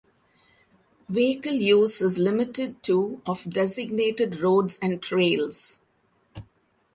Vehicle use is limited to of designated roads and trails.